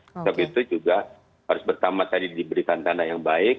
sebab itu juga harus pertama tadi diberikan tanda yang baik